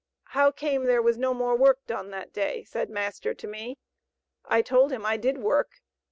'How came there was no more work done that day?' said master to me. I told him I did work.